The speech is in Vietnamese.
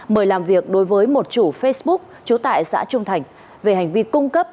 mời làm việc đối với một chủ facebook trú tại xã trung thành về hành vi cung cấp